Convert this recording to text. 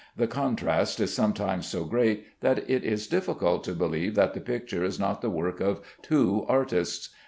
The contrast is sometimes so great that it is difficult to believe that the picture is not the work of two artists.